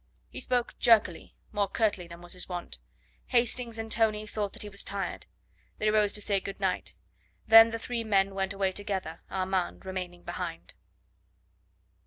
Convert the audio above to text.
He spoke jerkily, more curtly than was his wont. Hastings and Tony thought that he was tired. They rose to say good night. Then the three men went away together, Armand remaining behind.